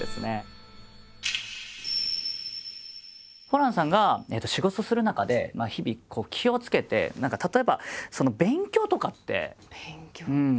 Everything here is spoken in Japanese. ホランさんが仕事する中で日々気をつけて何か例えば勉強とかってされてたりするんですか？